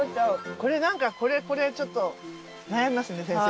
これなんかこれはこれでちょっと悩みますね先生。